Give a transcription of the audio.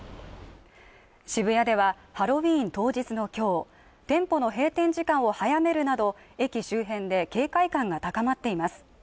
渋谷ではハロウィーン当日の今日店舗の閉店時間を早めるなど駅周辺で警戒感が高まっています